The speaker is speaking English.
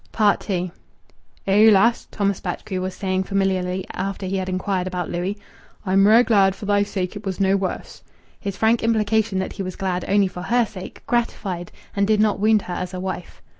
II "Eh, lass!" Thomas Batchgrew was saying familiarly, after he had inquired about Louis, "I'm rare glad for thy sake it was no worse." His frank implication that he was glad only for her sake gratified and did not wound her as a wife.